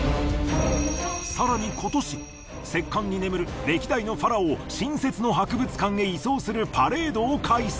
更に今年石棺に眠る歴代のファラオを新設の博物館へ移送するパレードを開催。